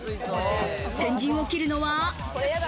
先陣を切るのは。